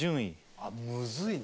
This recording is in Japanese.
あっむずいね。